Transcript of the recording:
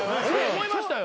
思いましたよ。